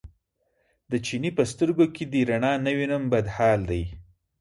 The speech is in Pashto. د چیني په سترګو کې دې رڼا نه وینم بد حال دی.